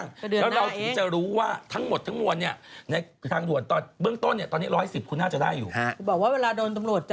ก็เดือนหน้าเองแล้วเราถึงมีรู้ว่าทั้งหมดทั้งรวม